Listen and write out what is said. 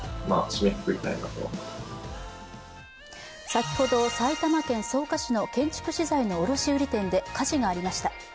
先ほど、埼玉県草加市の建築資材の卸売店で火事がありました。